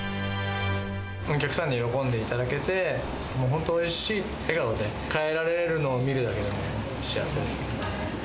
お客さんに喜んでいただけて、本当おいしいって、笑顔で帰られるのを見るだけでも幸せですね。